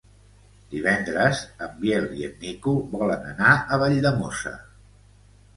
Divendres en Biel i en Nico volen anar a Valldemossa.